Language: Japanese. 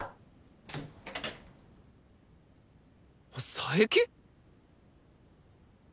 佐伯！？